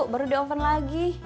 baru di oven lagi